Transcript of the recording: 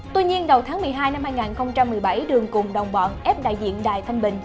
tuy nhiên đầu tháng một mươi hai năm hai nghìn một mươi bảy đường cùng đồng bọn ép đại diện đài thanh bình